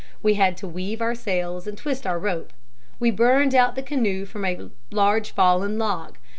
We had to weave our sails and twist our rope. We burned out the canoe from a large fallen log.